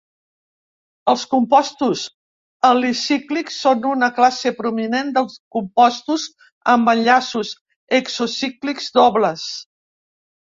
Els compostos alicíclics són una classe prominent de compostos amb enllaços exocíclics dobles.